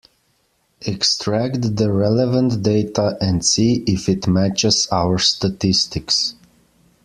Extract the relevant data and see if it matches our statistics.